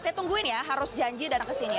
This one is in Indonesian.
saya tungguin ya harus janji datang ke sini